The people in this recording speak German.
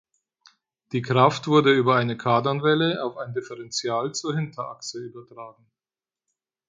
Die Kraft wurde über eine Kardanwelle auf ein Differential zur Hinterachse übertragen.